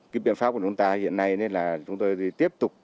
cái biện pháp của chúng ta hiện nay là chúng tôi tiếp tục